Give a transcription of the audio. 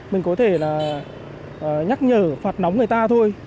mình có thể là nhắc nhở phạt nóng người ta thôi